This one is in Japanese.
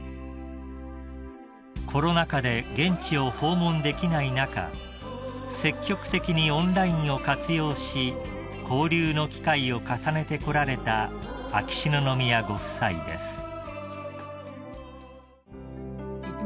［コロナ禍で現地を訪問できない中積極的にオンラインを活用し交流の機会を重ねてこられた秋篠宮ご夫妻です］